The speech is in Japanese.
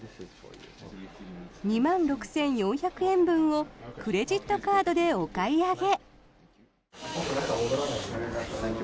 ２万６４００円分をクレジットカードでお買い上げ。